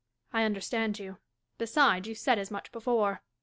I understand you : beside, you said as much before.